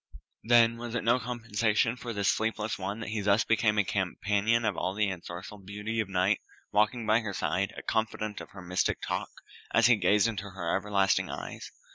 Then was it no compensation for this sleepless one that he thus became a companion of all the ensorceled beauty of Night, walking by her side, a confidant of her mystic talk, as he gazed into her everlasting eyes?